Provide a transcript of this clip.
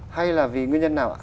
hay là vì nguyên nhân nào ạ